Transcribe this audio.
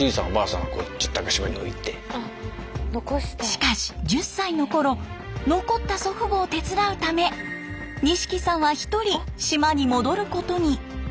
しかし１０歳のころ残った祖父母を手伝うため西来さんは１人島に戻ることに。